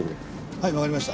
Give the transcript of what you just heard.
はいわかりました。